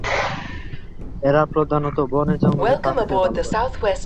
এরা প্রধানত বনে জঙ্গলে থাকতে ভালোবাসে।